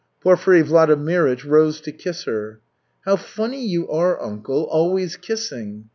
Porfiry Vladimirych rose to kiss her. "How funny you are, uncle, always kissing."